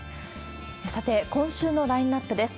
さて、今週のラインナップです。